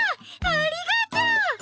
ありがとう！